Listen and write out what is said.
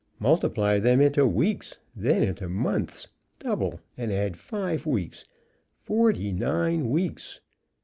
Multiply them into weeks, then into months, double and add five weeks forty nine weeks!